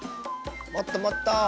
もっともっと。